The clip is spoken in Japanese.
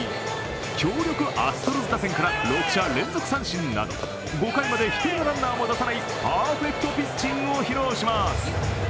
強力アストロズ打線から６者連続三振など５回まで１人のランナーも出さないパーフェクトピッチングを披露します。